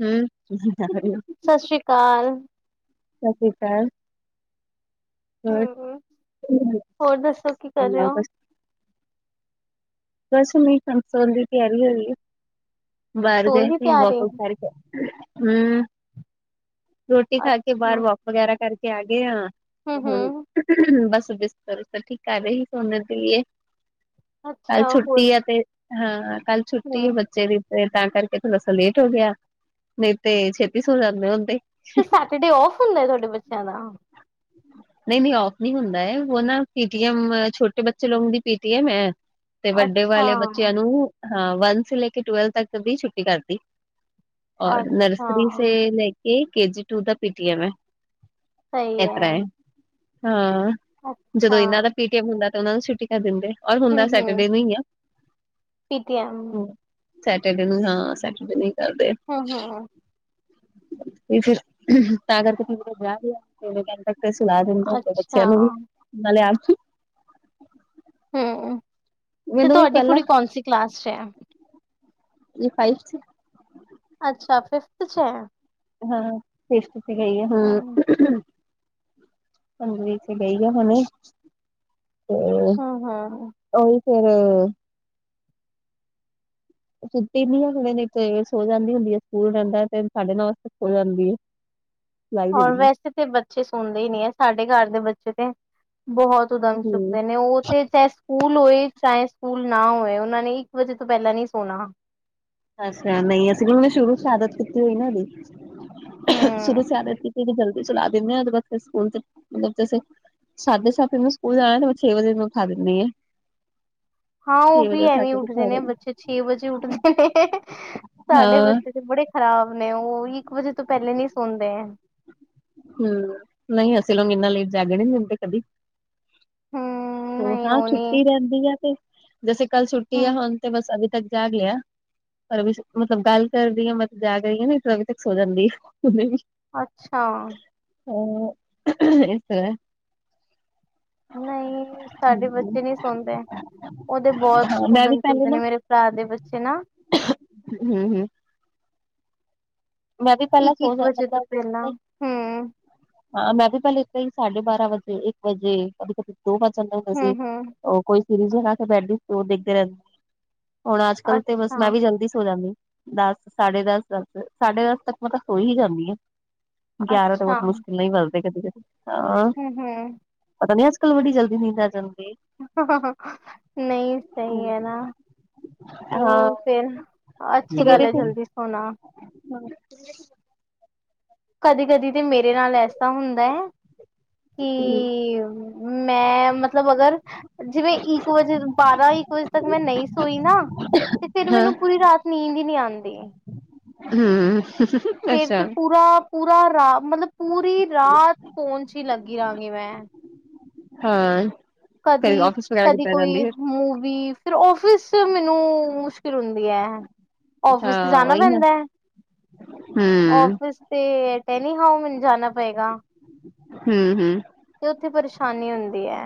ਹਮ [inaudible] ਸਤਿ ਸ੍ਰੀ ਅਕਾਲ ਸਤਿ ਸ਼੍ਰੀ ਅਕਾਲ। ਹਮ ਹੋਰ ਦੱਸੋ ਕੀ ਕਰ ਰਹੇ ਹੋ [unintelligible] [unintelligible] ਬਾਹਰ ਸੋਣ ਗਏ ਦੀ ਸੀ ਤਿਆਰੀ [unintelligible] ਰੋਟੀ ਖਾ ਕੇ, ਬਾਹਰ ਅੱਛਾ ਵੋਕ ਵਗੈਰਾ ਕਰਕੇ ਆ ਗਏ ਹਾਂ, ਤੇ ਹਮ ਹੁਣ ਹਮ ਬਸ ਬਿਸਤਰ ਠੀਕ [unintelligible] ਕੱਲ ਅੱਛਾ ਹੋਰ ਛੁੱਟੀ ਆ ਤੇ, ਹਾਂ, ਕੱਲ ਛੁੱਟੀ ਆ ਹਮ ਬੱਚੇ ਦੀ ਤੇ ਤਾਂ, ਕਰਕੇ ਥੋੜਾ ਸਾ ਲੇਟ ਹੋ ਗਿਆ, ਨਹੀਂ ਤੇ ਛੇਤੀ ਸੋ ਜਾਂਦੇ ਹੁੰਦੇ। ਤੇ ਸੈਟਰਡੇ ਔਫ ਹੁੰਦੈ ਹੈ ਤੁਹਾਡੇ ਬੱਚਿਆਂ ਦਾ? ਨਹੀਂ, ਨਹੀਂ ਔਫ ਨਹੀਂ ਹੁੰਦਾ ਹੈ, ਔਹ ਨਾ ਪੇਟੀਐਮ ਛੋਟੇ ਬੱਚੇ ਲੋਗ ਦੀ ਪੇਟੀਐਮ ਹੈ। ਤੇ ਵੱਡੇ ਅੱਛਾ ਵਾਲੇ ਬੱਚਿਆਂ ਨੂੰ ਹਾਂ ਵੰਨ ਸੇ ਲੈਕੇ ਟੁਵੈਲ ਤੱਕ ਦੀ ਛੁੱਟੀ ਕਰਤੀ। ਔਰ ਅੱਛਾ ਨਰਸਰੀ ਸੇ ਲੇਕੇ, ਕੇ, ਜੀ, ਟੂ ਦਾ ਪੀ, ਟੀ, ਐਮ ਐ। ਸਹੀ ਇਸ ਤਰ੍ਹਾਂ, ਹੈ ਹਾਂ ਜਦੋਂ ਅੱਛਾ ਇਹਨਾਂ ਦਾ ਪੀਠ ਹੁੰਦਾ ਤੇ ਉਹਨਾ ਨੂੰ ਛੁੱਟੀ ਕਰ ਦਿੰਦੇ ਔਰ ਹੁੰਦਾ ਸੈਟਰਡੇ ਨੂੰ ਹੀ ਆ। ਪੀਤੀ ਐਮ ਹੂੰ, ਸੈਟਰਡੇ ਨੂੰ ਹਾਂ, ਸੈਟਰਡੇ ਨੂੰ ਕਰਦੇ। ਹਮ ਹਮ ਤੇ ਫਿਰ, ਤਾਂ ਕਰਕੇ। [unintelligible] ਉਹਨੂੰ ਕਹਿਣ ਤੱਕ ਤੇ ਸੁਲਾ ਦਿੰਦੇ ਹੁੰਦੇ ਅੱਛਾ ਬੱਚਿਆਂ ਨੂੰ, ਵੀ ਨਾਲੇ ਆਪ ਹੂੰ ਤੇ ਮੈਨੂੰ ਵੀ ਤੁਹਾਡੀ ਪਹਿਲਾਂ ਕੁੜੀ ਕੌਣ ਸੀ ਕਲਾਸ 'ਚ ਐ? ਇਹ ਫਾਈਵਸੀ ਅੱਛਾ, ਫਿਫਥ ਚੇ, ਹਾਂ [unintelligible] ਤੇ ਗਈ ਐ ਹਮ। ਕਮਰੇ ਚ ਗਈ ਆ ਹੁਣੇ। ਹੂੰ, ਹਾਂ। ਓਹੀ ਫੇਰ, ਸੁੱਤੀ ਨੀ ਹਲੇ, ਨ‌ਈ ਤੇ ਸੋ ਜਾਂਦੀ ਹੁੰਦੀ ਏ। ਸਕੂਲ ਰਹਦਾ ਤੇ ਸਾਢੇ ਨੌ, ਸੋ ਜਾਂਦੀਏ। [inaudible] ਔਰ ਵੈਸੇ ਤੇ ਬੱਚੇ ਸੁਣਦੇ ਈ ਨ‌ਈਂ ਐ, ਸਾਡੇ ਘਰ ਦੇ ਬੱਚੇ ਤੇ ਬਹੁਤ ਕਦਮ ਹੂੰ ਚੁੱਕਦੇ ਨੇ ਉਹ ਫਿਰ, ਚਾਹੇ ਸਕੂਲ ਹੋਏ, ਚਾਹੇ ਸਕੂਲ ਨਾ ਹੋਏ, ਉਹਨਾਂ ਨੇ ਇੱਕ ਵਜੇ ਤੋਂ ਪਹਿਲਾਂ ਨਹੀਂ ਸੌਣਾ। ਅੱਛਾ ਨਹੀਂ, ਅਸੀਂ ਸ਼ੁਰੂ ਸੇ ਆਦਤ ਕੀਤੀ ਹੋਈ ਨਾ, ਇਹਦੀ ਸ਼ੁਰੂ ਹੂੰ ਸੇ ਆਦਤ ਕੀਤੀ। ਫਿਰ ਜਲਦੀ ਸੁਲਾ ਦਿੰਦੇ ਆਂ, ਬਸ ਫੇਰ ਸਕੂਲ ਸੇ ਮਤਲਬ ਜੈਸੇ ਸਾਢੇ ਸੱਤ ਵੱਜੇ ਸਕੂਲ ਜਾਣਾ ਨਾ, ਮੈਂ ਛੇ ਵੱਜੇ ਇਹਨੂੰ ਉਠਾ ਦਿੰਨੀ ਆਂ। ਹਾਂ, ਉਹ ਵੀ ਐਵੇਂ ਕੇ ਉੱਠਦੇ ਬਿਠਾ ਨੇ, ਦਿੰਦੀ ਬੱਚੇ ਛੇ ਵਜੇ ਉੱਠਦੇ ਨੇ, ਸਾਡੇ ਹਾਂ ਬੱਚੇ ਤੇ ਬੜੇ ਖਰਾਬ ਨੇ, ਉਹ ਇੱਕ ਵਜੇ ਤੋਂ, ਪਹਿਲੇ ਨਹੀਂ ਸੌਂਦੇ ਆ। ਹਮਮ, ਨਹੀਂ, ਅਸੀਂ ਲੋਕ ਇੰਨਾ ਲੇਟ ਜਾਗਣ ਈ ਨਹੀਂ ਦਿੰਦੇ ਕਦੀ। ਹਮਮ। ਉਹ ਹਾਂ, ਛੁੱਟੀ ਰਹਿੰਦੀ ਐ, ਤੇ ਜੈਸੇ ਕੱਲ ਛੁੱਟੀ ਆ, ਹੂੰ ਹੁਣ ਤੇ ਬਸ ਅਭੀ ਤੱਕ ਜਾਗ ਲਿਆ। ਪਰ ਮਤਲਬ ਗੱਲ ਕਰਦੀ ਆ, ਮਤਲਬ ਜਾਗ ਰਹੀ ਆ ਨਹੀਂ ਤੌ ਅਭੀ ਤੱਕ ਸੋ ਜਾਂਦੀ, ਮੈਂ ਵੀ। ਅੱਛਾ, ਅ, ਇਸ ਤਰ੍ਹਾਂ ਨਹੀਂ। ਸਾਡੇ ਬੱਚੇ ਨਹੀਂ ਸੌਂਦੇ, ਉਹਦੇ ਹਾਂ [unintelligible] ਨੇ ਮੇਰੇ ਭਰਾ ਦੇ ਬੱਚੇ ਨਾ। ਹੂੰ-ਹੂੰ, ਮੈਂ ਵੀ ਪਹਿਲਾਂ ਇੱਕ ਇੱਕ ਵਜੇ ਤੋਂ ਪਹਿਲਾਂ [unintelligible] ਹੂੰ ਹਾਂ, ਮੈਂ ਵੀ ਪਹਿਲੇ ਇਦਾਂ ਈ ਸਾਢੇ ਬਾਰਾਂ ਵਜੇ, ਇੱਕ ਵਜੇ, ਕਦੇ -ਕਦੇ ਦੋ ਵੱਜ ਜਾਂਦੇ ਹੁੰਦੇ ਹੂੰ ਸੀ। ਹੂੰ ਉਹ ਕੋਈ ਸੀਰੀਜ਼ ਹੈ ਤਾ ਬੈਠ ਕੇ ਉਹ ਦੇਖਦੇ ਰਹਿੰਦੇ। ਹੁਣ ਅੱਜ-ਕਲ੍ ਤੇ ਬਸ ਅੱਛਾ ਮੈਂ ਵੀ ਜਲਦੀ ਸੋ ਜਾਂਨੀ। ਦੱਸ, ਸਾਢੇ ਦਸ, ਦਸ ਸਾਢੇ ਦਸ ਤੱਕ ਮੈਂ ਤਾਂ ਸੋਹੀ ਜਾਣਦੀ ਆ ਗਿਆਰਾਂ ਤਾਂ ਅੱਛਾ ਬਹੁਤ ਮੁਸ਼ਕਿਲ ਨਾਲ ਹੀ ਵਜਦੇ ਕਦੀ ਕਦੀ, ਹਾਂ, ਹੂੰ ਹੂੰ ਪਤਾ ਨੀ ਅੱਜ-ਕੱਲ੍ਹ ਵੜੀ ਜਲਦੀ ਨੀਂਦ ਆ ਜਾਂਦੀ ਏ। ਨਹੀਂ, ਸਹੀ ਹੈ ਨਾ। ਹਾਂ ਹੋਰ, ਫਿਰ ਅੱਛੀ ਗੱਲ ਸਵੇਰੇ ਹੈ, ਫਿਰ ਜਲਦੀ ਸੌਣਾ। [unintelligible] ਕਦੀ- ਕਦੀ ਤੇ ਮੇਰੇ ਨਾਲ ਐਸਾ ਹੁੰਦਾ ਹੈ ਕਿ ਮੈਂ ਮਤਲਬ ਅਗਰ ਜਿਵੇਂ ਇੱਕ ਵਜੇ ਬਾਰਾਂ ਇੱਕ ਵਜੇ ਤੱਕ ਮੈਂ ਨਹੀਂ ਸੋਈ ਨਾ ਤੇ ਫੇਰ ਹਾਂ ਮੈਨੂੰ ਪੂਰੀ ਰਾਤ ਨੀਂਦ ਹੀ ਨਹੀਂ ਆਂਦੀ ਹੂੰ [inaudible] ਫਿਰ ਤੇ ਪੂਰਾ- ਪੂਰਾ ਰਾ ਮਤਲਬ ਪੂਰੀ ਰਾਤ ਫੋਨ 'ਚ ਲੱਗੀ ਰਹਾਂਗੀ ਮੈਂ ਹਾਂ ਕਦੀ -ਕਦੀ ਜਾਂਦੀ ਕੋਈ ਫਿਰ ਮੂਵੀ ਤੇ ਔਫਿਸ ਮੈਨੂੰ ਮੁਸ਼ਕਿਲ ਹੁੰਦੀ ਹੈ ਔਫਿਸ ਤੇ ਹਾਂ ਜਾਣਾ ਉਹੀ ਨਾ ਪੈਂਦਾ। ਹੂੰ ਔਫਿਸ ਤੇ ਟੈਨੀ ਹੋਂ ਮੈਨੂੰ ਜਾਣਾ ਪਏਗਾ। ਹੂੰ-ਹੂੰ ਤੇ ਉੱਥੇ ਪਰੇਸ਼ਾਨੀ ਹੁੰਦੀ ਹੈ।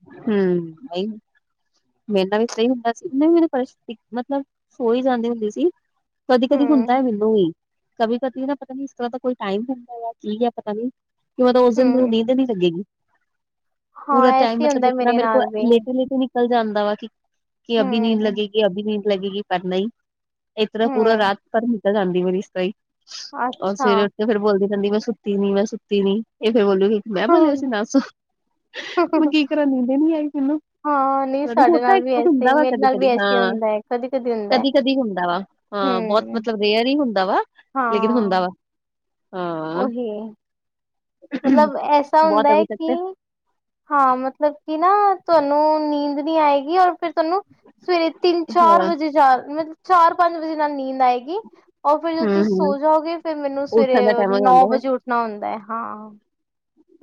ਹੂੰ ਹੈ ਹੀ ਮੇਰੇ ਨਾਲ ਵੀ ਸਹੀ ਹੁੰਦਾ ਸੀ ਵੀ ਮੈਨੂੰ ਮਤਲਬ ਸੋ ਹੀ ਜਾਂਦੀ ਹੁੰਦੀ ਸੀ। ਕਦੀ- ਕਦੀ ਹੂੰ ਹੁੰਦਾ ਹੈ ਮੈਨੂੰ ਹੀ ਕਦੀ -ਕਦੀ ਨਾ ਪਤਾ ਨੀ ਇਸ ਤਰ੍ਹਾਂ ਦਾ ਕੋਈ ਟਾਈਮ ਹੁੰਦਾ ਆ ਕੀ ਹੈ ਪਤਾ ਨੀ ਕਿ ਮਤਲਬ ਉਸ ਦਿਨ ਨੂੰ ਹੂੰ ਨੀਂਦ ਨੀ ਲੱਗੇਗੀ। ਹਾਂ ਪੂਰਾ ਟਾਈਮ ਐਸੇ ਮਤਲਬ ਹੁੰਦਾ ਜਿਸ ਤਰ੍ਹਾਂ ਮੇਰੇ ਕੋਲ ਨਾਲ ਵੀ ਲੇਟੇ -ਲੇਟੇ ਨਿ ਨਿਕਲ ਜਾਂਦਾ ਵਾ ਕਿ- ਕਿ ਅਭੀ ਨੀਂਦ ਹੂੰ ਲੱਗੇਗੀ- ਅਭੀ ਨੀਂਦ ਲੱਗੇਗੀ ਪਰ ਨਹੀਂ ਇਸ ਤਰਾ ਪੂਰਾ ਹੂੰ ਰਾਤ ਭਰ ਨਿਕਲ ਜਾਂਦੀ ਸਹੀ [inaudible] ਮੇਰੀ ਇਸ ਤਰ੍ਹਾਂ ਔਰ ਅੱਛਾ ਸਵੇਰੇ ਤੇ ਫਿਰ ਬੋਲਦੀ ਕਹਿੰਦੀ ਮੈਂ ਸੁੱਤੀ ਨੀ ਮੈਂ ਸੁੱਤੀ ਨੀ ਇਹ ਫੇਰ ਬੋਲੋਗੀ ਮੈਂ ਬੋਲਿਆ ਸੀ ਨਾ ਸੋ [inaudible] ਮੈਂ ਕੀ ਕਰਾਂ ਨੀਂਦ ਨੀ ਆਈ ਮੈਨੂੰ ਹਾਂ ਨਹੀਂ ਸਾਡੇ ਨਾਲ ਵੀ [unintelligible] ਐਸੇ ਹੁੰਦਾ ਹੀ ਵਾ ਮੇਰੇ ਕਦੀ ਨਾਲ ਵੀ -ਕਦੀ ਐਸੇ ਹਾਂ ਹੁੰਦਾ ਹੈ ਕਦੀ ਹੁੰਦਾ ਹੈ ਕਦੀ -ਕਦੀ ਹੁੰਦਾ ਵਾ ਹਾਂ ਬਹੁਤ ਹੂੰ ਮਤਲਬ ਰੇਅਰ ਹੀ ਹੁੰਦਾ ਵਾ ਲੇਕਿਨ ਹਾਂ ਹੁੰਦਾ ਵਾ ਹਾਂ। ਉਹੀ ਮਤਲਬ ਐਸਾ ਹੁੰਦਾ ਬਹੁਤ ਹੈ ਅਭੀ ਤੱਕ ਕਿ ਹਾਂ ਮਤਲਬ ਕਿ ਨਾ ਤੁਹਾਨੂੰ ਨੀਂਦ ਨਹੀਂ ਆਏਗੀ ਔਰ ਫਿਰ ਤੁਹਾਨੂੰ ਸਵੇਰੇ ਤਿੰਨ ਤੇ ਚਾਰ ਹਾਂ ਵਜੇ ਜਾ ਮਤਲਬ ਚਾਰ ਪੰਜ ਵਜੇ ਨਾਲ ਨੀਂਦ ਆਏਗੀ। ਉਹ ਫਿਰ ਜਦੋਂ ਹੂੰ ਤੁਸੀਂ ਹੂੰ ਸੋ ਜਾਓਗੇ ਫਿਰ ਮੈਨੂੰ ਉੱਠਣ ਦਾ ਸਵੇਰੇ ਟਾਈਮ ਹੋ ਨੌ ਜਾਂਦਾ ਵਜੇ ਉੱਠਣਾ ਹੁੰਦਾ ਹੈ ਹਾਂ।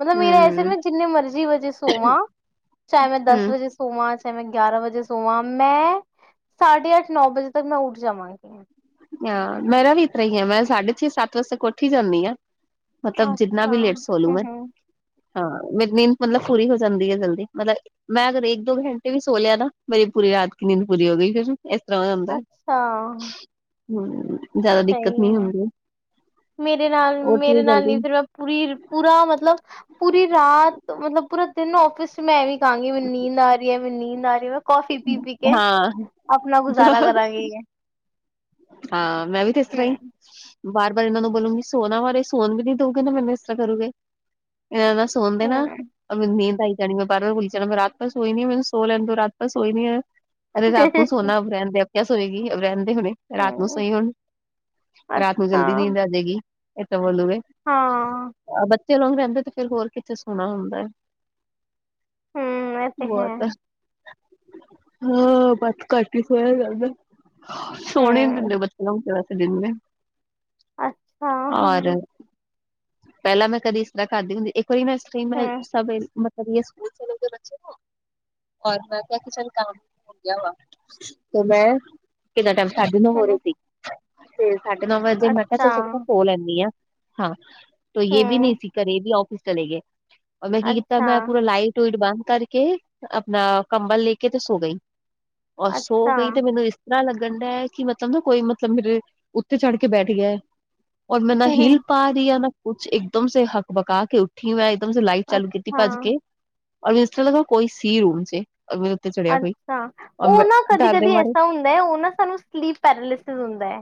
ਮਤਲਬ ਮੇਰਾ ਐਸੇ ਹੂੰ ਮੈਂ ਜਿੰਨੇ ਮਰਜ਼ੀ ਵਜੇ ਸੋਵਾਂ ਚਾਹੇ ਮੈਂ ਦਸ ਹੂੰ ਵਜੇ ਸੋ ਸੋਵਾਂ ਚਾਹੇ ਮੈਂ ਗਿਆਰਾਂ ਵਜੇ ਸੋਵਾਂ ਮੈਂ ਸਾਢੇ ਅੱਠ ਨੌ ਵਜੇ ਤੱਕ ਮੈਂ ਉੱਠ ਜਾਵਾਂਗੀ। ਹਾਂ ਮੇਰਾ ਵੀ ਇ ਤਰਾਂ ਹੀ ਆ ਮੈਂ ਸਾਢੇ ਛੇ ਸੱਤ ਵਜੇ ਤੱਕ ਉਠ ਈ ਜਾਂਦੀ ਹਾਂ। ਮਤਲਬ ਜਿਤਨਾ ਵੀ ਅੱਛਾ ਲੇਟ ਸੋ ਲੂੰ ਹੂੰ ਮੈਂ ਹੂੰ ਹਾਂ ਮੇਰੀ ਨੀਂਦ ਮਤਲਬ ਪੂਰੀ ਹੋ ਜਾਂਦੀ ਹੈ ਜਲਦੀ ਮਤਲਬ ਮੈਂ ਅਗਰ ਇੱਕ ਦੋ ਘੰਟੇ ਵੀ ਸੋ ਲਿਆ ਨਾ ਮੇਰੀ ਪੂਰੀ ਰਾਤ ਕਿ ਨੀਂਦ ਪੂਰੀ ਹੋ ਗਈ ਫਿਰ ਇਸ ਤਰ੍ਹਾਂ ਹੁੰਦਾ [inaudible] ਅੱਛਾ ਹੂੰ ਜ਼ਿਆਦਾ ਦਿੱਕਤ ਸਹੀ ਨਹੀਂ ਹੈ ਹੁੰਦੀ ਮੇਰੇ ਨਾਲ ਉੱਠ ਮੇਰੇ ਵੀ ਨਾਲ ਨ ਜਲਦੀ ਫਿਰ ਮੈਂ ਪੂਰੀ ਪੂਰਾ ਮਤਲਬ ਪੂਰੀ ਰਾਤ ਮਤਲਬ ਪੂਰਾ ਦਿਨ ਔਫਿਸ 'ਚ ਮੈਂ ਐ ਵੀਂ ਕਹਾਂਗੀ ਮੈਨੂੰ ਨੀਂਦ ਆ ਰਹੀ ਹੈ- ਮੈਨੂੰ ਨੀਂਦ ਆ ਰਹੀ ਹੈ। ਕੌਫੀ ਪੀ- ਪੀ ਕੇ ਹਾਂ ਆਪਣਾ ਗੁਜ਼ਾਰਾ ਕਰਾਂਗੀ। ਹਾਂ ਮੈਂ ਵੀ ਤੇ ਇਸ ਤਰ੍ਹਾਂ ਹੀ ਹਮ [inaudible] ਬਾਰ- ਬਾਰ ਇਹਨਾਂ ਨੂੰ ਬੋਲੂਗੀ ਸੋਨਾ ਬਾਰੇ ਸੋਨ ਵੀ ਨੀ ਦਊਗੇ ਨਾ ਮੈਨੂੰ ਇਸ ਤਰ੍ਹਾਂ ਕਰੂਗੇ ਇਹਨਾਂ ਦਾ ਸੌਣਦੇ ਨਾ ਮੈਨੂੰ ਨੀਂਦ ਆਈ ਜਾਣੀ ਮੈਂ ਬਾਰ ਬੋਲੀ ਜਾਣਾ ਮੈਂ ਰਾਤ ਪਾ ਸੋਈ ਨੀ ਮੈਨੂੰ ਸੌ ਲੈਣ ਦੋ ਰਾਤ ਬਾਰ ਸੋਈ ਨਹੀ ਅਰੇ ਰਾਤ ਨੂੰ ਸੋਨਾ ਰਹਿੰਦੇ ਅਭ ਰਹਿਣ ਦੇ ਅਭ ਕਿਆ ਸੋਏਗੀ ਅ ਰਹਿੰਦੇ ਏ। [unintelligible] ਰਾਤ ਨੂੰ ਹਮ ਸੌਹੀਉ ਹੁਣ ਰਾਤ ਕੋ ਅੱਛਾ ਜਲਦੀ ਨੀਂਦ ਆ ਜਾਏਗੀ। ਇਹ ਤਾਂ ਬੋਲੂਗੇ ਹਾਂ ਬੱਚੇ ਲੋਗ ਰਹਿੰਦੇ ਤੇ ਫਿਰ ਹੋਰ ਕਿੱਥੇ ਸੋਹਣਾ ਹੁੰਦਾ। ਹਮ ਇਹ ਤੇ ਹੈ ਬਹੁਤ ਹਾਂ ਬੰਦ ਕਰ ਕੇ ਸੋਇਆ ਕਰ ਨਾ [inaudible] ਸੋਣੇ ਨੇ ਦਿੰਦੇ ਹਮ ਬੱਚੇ [unintelligible] ਅੱਛਾ ਔਰ ਹਮ ਪਹਿਲਾਂ ਮੈਂ ਕਦੇ ਇਸ ਤਰ੍ਹਾਂ ਖਾਧੀ ਹੁੰਦੀ ਇੱਕ ਕੋਈ ਨਾ ਸਟੀਮ ਹੇਲ, ਹਮ ਸਭ ਵੇਲ, ਮਤਲਬ ਯੇ ਸਕੂਲ ਸੇ ਲੇਗੇ ਬੱਚੇ ਕੋ। ਔਰ ਮੈਂ ਕਿਹਾ, ਚੱਲ ਕੰਮ ਹੋਗਿਆ ਵਾ, ਤੇ ਮੈਂ ਕਿਨਾ ਟਾਈਮ? ਸਾਢੇ-ਨੌ ਹੋ ਰਹੇ ਹਮ ਸੀ, ਤੇ ਸਾਡੇ-ਨੌ ਵਜੇ 'ਮੈਂ ਕਿਆ ਅੱਛਾ ਚਲ ਥੋੜਾ ਬਹੁਤ ਸੋ ਲੈਂਦੀ ਆਂ। ਹਾਂ, ਤੋਂ ਯੇ ਭੀ ਨਹੀਂ ਹਮ ਥੀ ਘਰੇ, ਯੇ ਭੀ ਔਫਿਸ ਚਲੇ ਗਏ, ਔਰ, ਮੈਂ ਕੀ ਕਿੱਤਾ, ਅੱਛਾ ਮੈਂ ਪੂਰਾ ਲਾਈਟ ਇਟ ਬੰਦ ਕਰਕੇ, ਆਪਣਾ ਕੰਬਲ ਲੇਕੇ ਤੇ ਸੋ ਗਈ। ਔਰ ਸੋ ਅੱਛਾ ਗਈ ਤੇ, ਮੈਨੂੰ ਇਸ ਤਰ੍ਹਾਂ ਲੱਗਣ ਡੈ ਕੀ ਮਤਲਬ ਨਾ, ਕੋਈ ਮਤਲਬ ਮੇਰੇ, ਉੱਤੇ ਚੜਕੇ ਬੈਠਗਿਆ, ਔਰ ਮੈਂ ਨਾ ਹਿਲ ਹਮ ਪਾ ਰਹੀ ਆ, ਨਾ ਕੁਛ ਇੱਕ ਦਮ ਸੇ, ਹੱਕ, ਬਕਾਕੇ ਉੱਠੀ ਮੈਂ, ਇਕਦਮ ਸੇ ਲਾਈਟ ਚਾਲੂ ਕੀਤੀ ਅੱਛਾ ਭੱਜਕੇ। ਔਰ ਇਸ ਤਰਾ ਲੱਗਿਆ, ਕੋਈ ਸੀ ਰੂਮ'ਚੇ, ਔਰ ਮੀੰਨ ਅੱਛਾ, ਉਹ ਨਾ ਦੇ ਕਦੀ-ਕਦੀ ਮਾਰੇ ਐਸਾ ਹੁੰਦਾ ਹੈ, ਉਹ ਨਾ ਸਾਨੂੰ ਸਲੀਪ ਪੈਰਾਲਿਸਿਸ ਹੁੰਦਾ ਹੈ।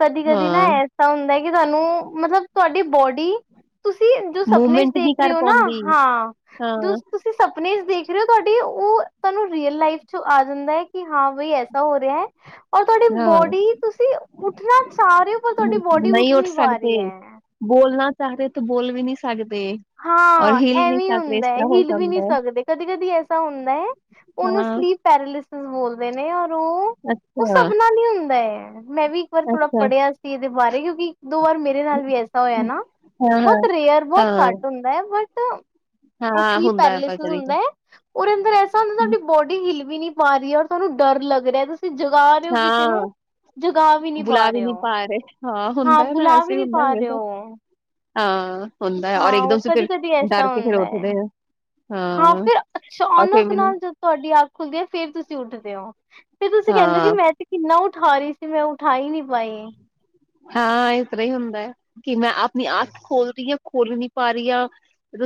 ਕਦੀ-ਕਦੀ ਨਾ ਹਾਂ, ਐਸਾ ਹੁੰਦਾ ਕਿ ਸਾਨੂੰ, ਮਤਲਬ ਤੁਹਾਡੀ ਬੌੜੀ ਤੁਸੀਂ ਜੋ ਸਪਨੇ'ਚ ਦੇਖ ਰਹੇ ਹੋ ਨਾ, ਹਾਂ। ਜੋ ਤੁਸੀਂ ਸਪਨੇ'ਚ ਦੇਖ ਰਹੇ ਹੋ, ਤੁਹਾਡੀ, ਉਹ ਤੁਹਾਨੂੰ ਰੀਅਲ ਲਾਈਫ'ਚ ਆ ਜਾਂਦਾ ਹੈ ਕਿ, ਹਾਂ ਬਈ ਐਸਾ ਹੋ ਰਿਹਾ ਔਰ ਤੁਹਾਡੀ ਬੌੜੀ, ਤੁਸੀਂ ਉੱਠਣਾ ਚਾਹ ਰਹੇ ਹੋ, ਪਰ ਤੁਹਾਡੀ ਬੌੜੀ ਉੱਠ ਨਹੀਂ ਪਾ ਰਹੀ ਹੈ। ਬੋਲਣਾ ਚਾਹਰੇ, ਤੋਂ ਬੋਲ ਵੀ ਨਹੀਂ ਸਕਦੇ। ਹਾਂ, ਐਵੀ ਹੁੰਦਾ ਹੈ, ਹਿਲ ਵੀ ਨਹੀਂ ਜਾਂਦਾ ਹੈ। ਸਕਦੇ, ਕਦੀ-ਕਦੀ ਐਸਾ ਹੁੰਦਾ ਏ ਉਹਨੂੰ ਹਾਂ, ਸਲੀਪ ਪੈਰਿਲਿਸੀਸ ਬੋਲਦੇ ਨੇ ਔਰ ਉਹ, ਉਹ ਅੱਛਾ, ਸਬ ਨਾਲ ਹੀ ਹੁੰਦਾ ਏ। ਮੈਂ ਵੀ ਇੱਕ ਵਾਰ ਥੋੜਾ ਅੱਛਾ। ਪੜ੍ਹਿਆ ਸੀ ਇਹਦੇ ਬਾਰੇ, ਕਿਉਂਕਿ ਇੱਕ-ਦੋ ਬਰ ਮੇਰੇ ਨਾਲ ਵੀ ਐਸਾ ਹੋਇਆ ਨਾ। ਹਾਂ, ਹਾਂ, ਬਹੁਤ ਰਿਅਰ, ਬਹੁਤ ਹਾਂ, ਘੱਟ ਹੁੰਦਾ ਏ, ਬਟ ਓਹ ਹਾਂ ਸਲੀਪ ਹੁੰਦਾ ਹੈ ਪਰ ਪੈਰਾਲਿਸੀਸ ਕਦੀ ਹੁੰਦਾ ਏ। ਔਰ, ਅੰਦਰ ਐਸਾ ਹੁੰਦਾ, ਤੁਹਾਡੀ ਬੋਡੀ ਹਿੱਲ ਵੀ ਨਹੀਂ ਪਾ ਰਹੀ, ਔਰ ਤੁਹਾਨੂੰ ਡਰ ਲੱਗ ਰਿਹਾ ਤੁਸੀਂ ਜਗਾ ਰਹੇ ਹੋ, ਕਿਸੇ ਨੂੰ। ਹਾਂ, ਜਗਾ ਵੀ ਨਹੀਂ ਪਾ ਰਹੇ ਹੋ, ਹਾਂ, ਹੁੰਦਾ ਬੁਲਾ ਵੀ ਨਹੀਂ ਪਾ ਰਹੇ ਹੋ। ਹਾਂ। ਹਾਂ, ਉਹ ਕਦੀ-ਕਦੀ ਐਸਾ ਹੁੰਦਾ ਏ। ਹਾਂ, ਫਿਰ ਅਚਾਨਕ ਨਾਲ ਜ ਤੁਹਾਡੀ ਅੱਖ ਖੁੱਲਦੀ ਏ, ਫੇਰ ਤੁਸੀਂ ਉੱਠਦੇ ਓਂ। ਫਸਰ ਤੁਸੀਂ ਕਹਿੰਦੇ ਹੋ ਕਿ ਮੈਂ ਤੇ ਕਿੰਨਾ ਉਠਾ ਰਹੀ ਤੇ, ਮੈਂ ਉਠਾਈ ਨੀ ਪਾਈ। ਹਾਂ, ਇਸ ਤਰ੍ਹਾਂ ਹੀ ਹੁੰਦਾ ਏ, ਕੀ ਮੈਂ ਆਪਣੀ ਅੱਖ ਖੋਲਦੀ ਆਂ, ਖੁੱਲ ਨੀ ਪਾ ਰਹੀ ਆ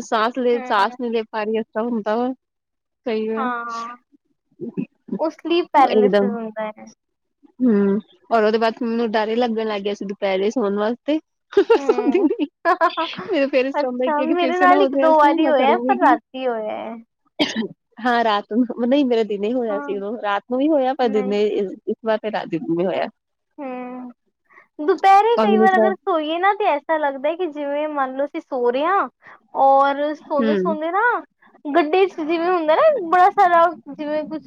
ਸਾਂਸ ਲੇ, ਸਾਂਸ ਹੂੰ। ਨਹੀਂ ਲੇ ਪਾ ਰਹੀ, ਇਸ ਤਰਾ ਹੁੰਦਾ ਵਾ ਕਈ ਵਾਰ, ਹਾਂ ਇਕਦਮ। ''ਮੈਂ' ਹੂੰ, ਔਰ ਉਹਦੇ ਬਾਅਦ ਮੈਂਨੂੰ ਡਰ ਹੀ ਲੱਗਣ ਲੱਗ ਗਿਆ ਸੀ, ਦੁਪਹਿਰੇ ਸੋਣ ਵਾਸਤੇ। ਹੂੰ। ਹੇਹੇਂਹੇਂ 'ਮੇਰਾ ਫਿਰ ਇਸ ਤਰ੍ਹਾਂ ਹੋਂਦੈ, ਅੱਛਾ ਕਿ ਅਗਰ ਫਿਰ ਮੇਰੇ ਸੇ ਨਾ ਨਾਲ ਹੋ ਇੱਕ ਜਾਏ, ਦੋ ਵਾਰੀ ''ਮੈਂ ਹੋਇਆ ਕਰੂੰਗੀ ਪਰ ਕੀ। ਰਾਤੀ ਹੋਇਆ ਹੈ। ਹਾਂ, ਰਾਤ ਨੂੰ, ਨਹੀਂ, ਮੇਰਾ ਦਿਨੇ ਹੀ ਹੋਇਆ ਸੀ ਹਾਂ। ਉਦੋਂ, ਰਾਤ ਨੂੰ ਵੀ ਹੋਇਆ, ਪਰ ਨਹੀਂ। ਦਿਨੇ ਬਸ ਫਿਰ ਰਾਤੀ ਵੀ ਹੋਇਆ। ਹੂੰ, ਦੁਪਹਿਰੇ ਔਰ ਕਈ ਮੈਨੂੰ ਵਾਰ ਤਾਂ ਅਗਰ ਸੋਈਏ ਨਾ, ਤੇ ਐਸਾ ਲੱਗਦਾ ਕਿ ਜਿਵੇਂ ਮੰਨਲੋ, ਅਸੀਂ ਸੋਂ ਰਹੇਂ ਆਂ ਔਰ ਹਮ ਸੋਂਦੇ-ਸੋਂਦੇ ਨਾ ਗੱਡੀ'ਚ ਜਿਵੇਂ ਹੁੰਦਾ ਨਾ, ਬੜਾ ਸਾਰਾ ਜਿਵੇਂ ਕੁ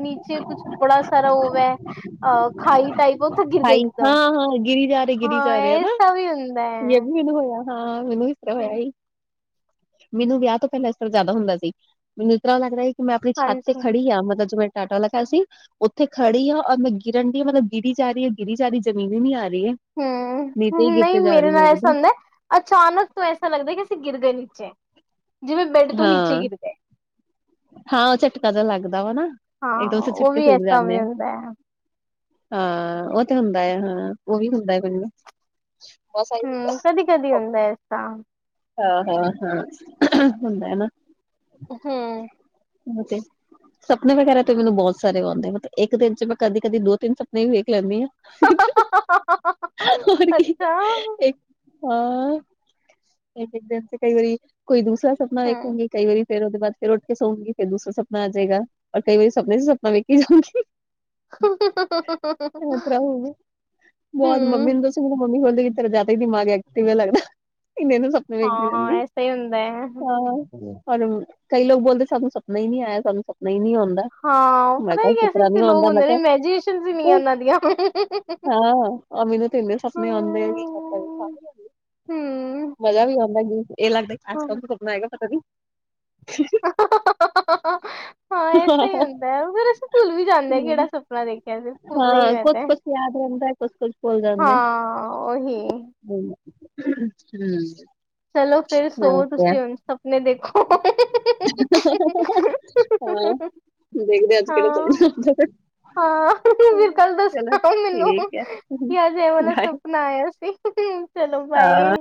ਨੀਚੇ ਕੁੱਛ ਬੜਾ ਸਾਰਾ ਓ ਵੈ, ਅ ਖਾਈ ਟਾਈਪ ਉੱਥੇ ਗਿਰ ਗਈ ਖਾਈ ਇੱਕਦਮ ਹਾਂ-ਹਾਂ, ਗਿਰੀ ਜਾ ਰਹੇ, ਗਿਰੀ ਹਾਂ ਜਾ ਰਹੇ, ਹਨਾ। ਐਸਾ ਵੀ ਹੁੰਦਾ ਯਹੀ ਹੈ ਮੈਂਨੂੰ ਹੋਇਆ। ਹਾਂ, ਮੈਂਨੂੰ ਵੀ ਇਸ ਤਰ੍ਹਾਂ ਹੋਇਆ ਈ। ਮੈਂਨੂੰ ਵਿਆਹ ਤੋਂ ਪਹਿਲਾਂ ਇਸ ਤਰ੍ਹਾਂ ਜ਼ਿਆਦਾ ਹੁੰਦਾ ਸੀ, ਮੈਂਨੂੰ ਇਸ ਤਰ੍ਹਾਂ ਲੱਗਦਾ ਕੀ, ਮੈਂ ਆਪਣੀ ਛੱਤ ਤੇ ਹਾਂਜੀ ਖੜੀ ਆਂ, ਮਤਲਬ ਜਿਂਵੇ ਮੈਂ ਟਾਟਾ ਲਖਾ ਸੀ ਉੱਥੇ ਖੜੀ ਆਂ, ਔਰ ਮੈਂ ਗਿਰਨ ਡੀ ਆ, ਮਤਲਬ ਗਿਰੀ ਜਾ ਰਹੀ ਆ, ਗਿਰੀ ਜਾ ਰਹੀ, ਜ਼ਮੀਨ ਹੀ ਨੀ ਆ ਰਹੀ ਹੈ। ਹਮ ਨੀਚੇ ਈ ਗੀਰਤੇ ਨਹੀਂ ਜਾ ਮੇਰੇ ਰਹੀ ਨਾਲ ਐਸਾ ਇਕਦਮ ਹੁੰਦਾ ਅਚਾਨਕ ਤੋਂ ਐਸਾ ਲੱਗਦਾ ਕਿ, ਅਸੀਂ ਗਿਰ ਗਏ ਨੀਚੇ, ਜਿਵੇਂ ਬੇਡ ਤੋਂ ਨੀਚੇ ਹਾਂ ਗਿਰ ਗਏ। ਹਾਂ, ਉਹ ਝਟਕਾ ਜਿਹਾ ਲੱਗਦਾ ਵਾ ਨਾ, ਹਾਂ ਇੱਕਦਮ ਅਸੀ ਉਹ ਵੀ ਝਟਕੇ'ਚ ਉਠ ਐਸਾ ਜਾਂਨੇ ਵੀ ਆ। ਹੁੰਦਾ ਹੈ ਹਾਂ, ਉਹ ਤੇ ਹੁੰਦਾ ਹੈ, ਹਾਂ, ਉਹ ਈ ਹੁੰਦਾ ਹੈ ਮੈਨੂੰ। ਬਸ ਆਹੀ ਸੀਗਾ ਹਮ ਕਦੀ ਕਦੀ ਟੌ ਹੁੰਦਾ ਐਸਾ ਹਾਂ-ਹਾਂ-ਹਾਂ, ਅਹਹ, ਹੁੰਦਾ ਹੈ ਨਾ। ਹੂੰ ਹ ਮੂ ਤੇ ਸੱਪਨੇ ਵਗ਼ੈਰਾ ਤੇ ਮੈਂਨੂੰ ਬਹੁਤ ਸਾਰੇ ਆਉਂਦੇ ਨੇ ਤੈ ਇੱਕ ਦਿਨ ਚ ਮੈਂ ਕਦੀ-ਕਦੀ ਦੋ-ਤਿੰਨ ਸਪਨੇ ਵੀ ਵੇਖ ਲੈਂਣੀ ਆਂ। ' [unintelligible] ਹੋਰ ਕੀ- ਅੱਛਾ ਇੱਕ, ਹਾਂ। ਇੱਕ-ਇੱਕ ਦਿਨ ਤੇ ਕਈ ਵਰੀ ਕੋਈ ਦੂਸਰਾ ਸਪਨਾ ਹੂੰ ਵੇਖੂੰਗੀ। ਕਈ ਵਰੀ ਫਿਰ ਉਹਦੇ ਬਾਅਦ ਫਿਰ ਉੱਠ ਕੇ ਸੌਊਗੀ, ਫਿਰ ਦੂਸਰਾ ਸਪਨਾ ਆ ਜੇਗਾ। ਔਰ ਕਈ ਵਾਰੀ ਸਪਨੇ ਚ ਸਪਨਾ ਵੇਖੀ ਜਾਵਾਂਗੀ। ਐ ਤਰ੍ਹਾਂ ਹੋਕੂ ਮੈਂ ਅੱਜ ਮੰਮੀ ਹੂੰ ਨੂੰ ਦ ਮੰਮੀ ਬੋਲੇਗੀ ਕਿ ਤੇਰਾ ਜ਼ਿਆਦਾ ਹੀ ਦਿਮਾਗ ਐਕਟਿਵ ਹੈ ਲੱਗਦਾ ਇਹਨੇ-ਇਹਨੇ ਸ ਹਾਂ, ਐਸਾ ਹੀ ਹੁੰਦਾ ਐ। ਹਾਂ, ਪਰ ਕਈ ਲੋਕ ਬੋਲਦੇ ਸਾਨੂੰ ਸਪਨਾ ਹੀ ਨਹੀਂ ਆਇਆ। ਸਾਨੂੰ ਸਪਨਾ ਹੀ ਨੀ ਆਉਂਦਾ। ਹਾਂ। ਮੈਂ ਪਤਾ ਕਿਹਾ ਨੀ ਕਿਸ ਤਰ੍ਹਾਂ ਕੈਸੇੇ-ਕੈਸੇ ਲੋਕ ਮੈਂ ਹੁੰਦੇ ਨੇ, ਕਿਹਾ ਇਮੈਜੀਨੇਸ਼ਨ ਨੀ ਉਹਨਾਂ ਦੀਆਂ। ਆ, ਮੈਂਨੂੰ ਤੇ ਇੰਨੇ ਸਪਨੇ ਆਉਂਦੇ' [inaudible] ਹੂੰ ਮਮ ਮਜ਼ਾ ਵੀ ਆਉਂਦਾ। ਇਹ ਲੱਗਦਾ ਅੱਜ ਕੋਣ ਸਾ ਸਪਨਾ ਆਏਗਾ ਪਤਾ ਨੀ। 'ਹਾਂ ਐਸਾ ਹੀ ਹੁੰਦਾ ਫਿਰ ਪੁਲ ਵੀ ਜਾਂਦੇ‌ ਕਿਹੜਾ ਸੁਪਨਾ ਦੇਖਿਆ ਸੀ ਪੁਲ ਗਈ ਹਾਂ, ਮੈਂ ਤੇ ਕੁਛ-ਕੁਛ ਯਾਦ ਰਹਿੰਦਾ, ਕੁਛ-ਕੁਛ ਭੁੱਲ ਜਾਂਦੇ। ਹਾਂ ਓਹੀ। ' [inaudible] ਚੱਲੋ ਫਿਰ ਸੋਂਵੋ ਤੁਸੀਂ ਹੁਣ। ਸਪਨੇ ਦੇਖੋ। ਹਾਂ ਦੇਖਦੇ, ਅੱਜ ਕਿਹੜਾ ਹਾਂ ਸਪਨਾ ਆਂਦਾ ਵੈ ਹਾਂ। ਫਿਰ ਕੱਲ ਦੱਸਣਾ ਮੈਂਨੂੰ, ਠੀਕ ਹੈ ਕੀ ਅੱਜ ਏ ਵਾਲਾ ਬਾਏ ਸਪ ਨਾ ਆਇਆ ਸੀ। ਚਲੋਂ ਬਾਏ।